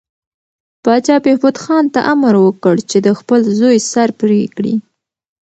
پاچا بهبود خان ته امر وکړ چې د خپل زوی سر پرې کړي.